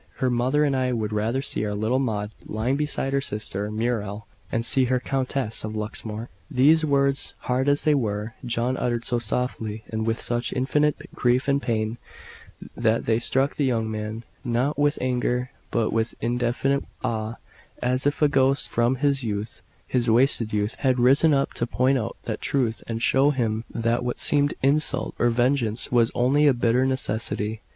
Her mother and I would rather see our little Maud lying beside her sister Muriel than see her Countess of Luxmore." These words, hard as they were, John uttered so softly and with such infinite grief and pain, that they struck the young man, not with anger, but with an indefinite awe, as if a ghost from his youth his wasted youth had risen up to point out that truth, and show him that what seemed insult or vengeance was only a bitter necessity.